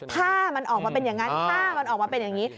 ถ้ามันออกมาเป็นอย่างนั้นถ้ามันออกมาเป็นอย่างนี้